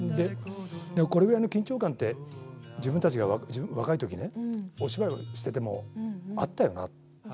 これぐらいの緊張感って自分たちが若いときお芝居をしていてもあったようなって。